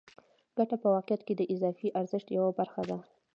ګته په واقعیت کې د اضافي ارزښت یوه برخه ده